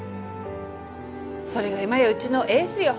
それが今やうちのエースよ。